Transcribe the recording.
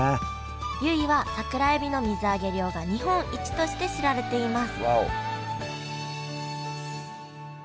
由比は桜えびの水揚げ量が日本一として知られていますわお！